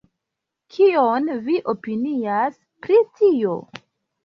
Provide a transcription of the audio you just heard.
Kion vi opinias pri tio?